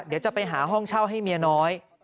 เดี๋ยวจะไปหาห้องเช่าให้เมียน้อย